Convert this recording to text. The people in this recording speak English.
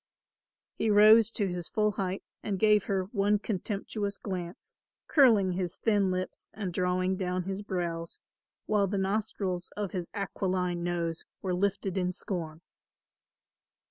He rose to his full height and gave her one contemptuous glance, curling his thin lips and drawing down his brows, while the nostrils of his aquiline nose were lifted in scorn.